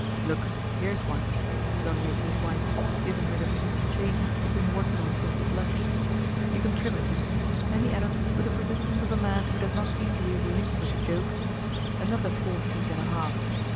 "Look, here's one," said Lorilleux to his wife, giving her the piece of chain he had been working on since his lunch. "You can trim it." And he added, with the persistence of a man who does not easily relinquish a joke: "Another four feet and a half.